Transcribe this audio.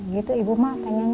gitu ibu mah pengennya